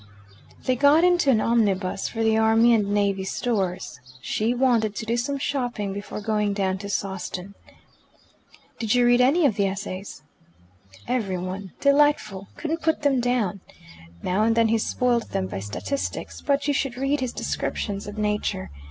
They got into an omnibus for the Army and Navy Stores: she wanted to do some shopping before going down to Sawston. "Did you read any of the Essays?" "Every one. Delightful. Couldn't put them down. Now and then he spoilt them by statistics but you should read his descriptions of Nature.